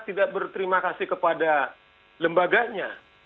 tidak berterima kasih kepada lembaganya